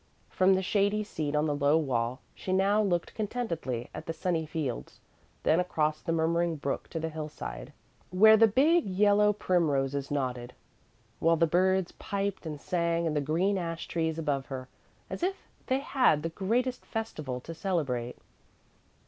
From the shady seat on the low wall, she now looked contentedly at the sunny fields, then across the murmuring brook to the hillside where the big yellow primroses nodded, while the birds piped and sang in the green ash trees above her, as if they had the greatest festival to celebrate.